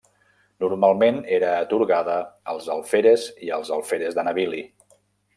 Normalment era atorgada als alferes i als alferes de navili.